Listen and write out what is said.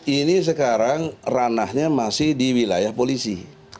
ini sekarang ranahnya masih di wilayah polisi